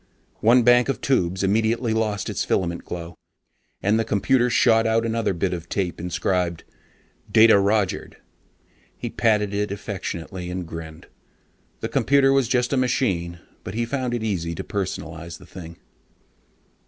One bank of tubes immediately lost its filament glow, and the computer shot out another bit of tape inscribed DATA ROGERED. He patted it affectionately and grinned. The computer was just a machine, but he found it easy to personalize the thing....